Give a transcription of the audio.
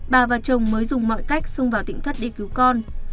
bà và chồng mới dùng mọi cách xông vào tỉnh thất đi cứu con